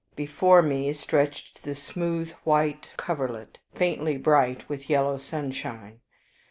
Before me stretched the smooth white coverlet, faintly bright with yellow sunshine.